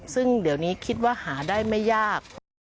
ซึ่งเดี๋ยวนี้คิดว่าหาได้ไม่ยาก